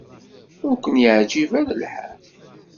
Ur ken-yeɛjib ara lḥal.